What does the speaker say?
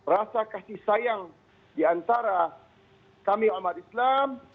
rasa kasih sayang diantara kami umat islam